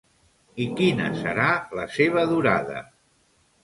I quina serà la seva durada?